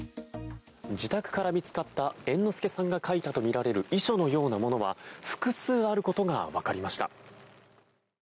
自宅から見つかった猿之助さんが書いたとみられる遺書のようなものは複数あることが分かりました。